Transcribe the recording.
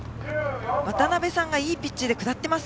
渡邉さんがいいピッチで下っています。